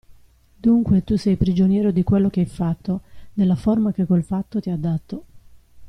Dunque tu sei prigioniero di quello che hai fatto, della forma che quel fatto ti ha dato.